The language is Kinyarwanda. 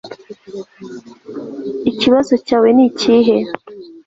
ikibazo cyawe ni ikihe